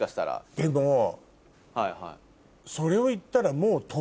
でもそれを言ったら。